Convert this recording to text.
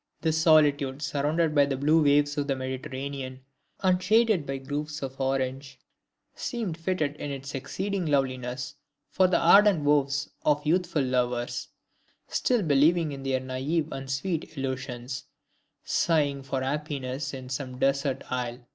The solitude surrounded by the blue waves of the Mediterranean and shaded by groves of orange, seemed fitted in its exceeding loveliness for the ardent vows of youthful lovers, still believing in their naive and sweet illusions, sighing for happiness in "some desert isle."